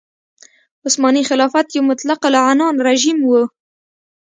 عثماني خلافت یو مطلق العنان رژیم و.